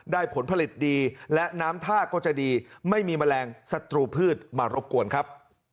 ผลผลิตดีและน้ำท่าก็จะดีไม่มีแมลงศัตรูพืชมารบกวนครับ